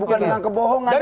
bukan dengan kebohongan